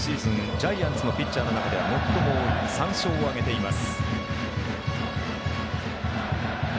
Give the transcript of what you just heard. ジャイアンツのピッチャーの中で最も多い３勝を挙げています。